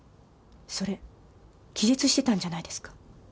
それ気絶してたんじゃないですか。